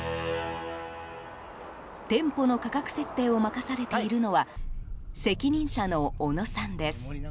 店舗の価格設定を任されているのは責任者の小野さんです。